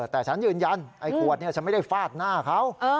แต่ฉันยืนยันไอ้ขวดฉันไม่ได้ฟาดหน้าเขา